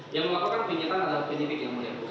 yang melakukan penyelidikan adalah penyelidik yang mulia